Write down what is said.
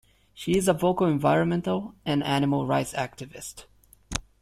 She is a vocal environmental and animal rights activist.